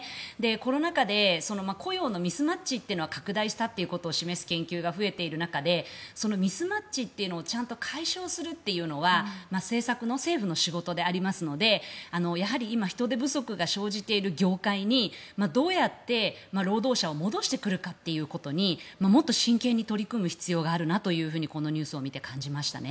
コロナ禍で雇用のミスマッチというのが拡大したということを示す研究が増えている中でそのミスマッチっていうのをちゃんと解消するというのは政策の政府の仕事でありますのでやはり今人手不足が生じている業界にどうやって労働者を戻してくるかということにもっと真剣に取り組み必要があるなとこのニュースを見て感じましたね。